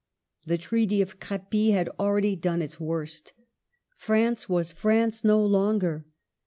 The Treaty of Crepy had already done its worst. France was France no longer.